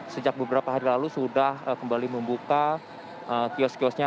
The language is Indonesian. sejak beberapa hari lalu sudah kembali membuka kios kiosnya